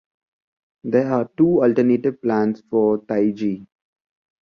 There are two alternative plans for Taiji.